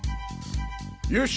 よし！